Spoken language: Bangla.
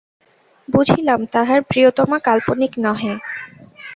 বুঝিলাম তাহার প্রিয়তমা কাল্পনিক নহে।